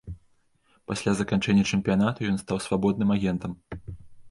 Пасля заканчэння чэмпіянату ён стаў свабодным агентам.